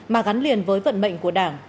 mà gắn liền với vận mệnh của đảng